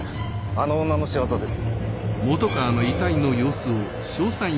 あの女の仕業です。